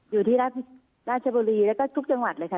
อยู่ที่ราชบุรีแล้วก็ทุกจังหวัดเลยค่ะ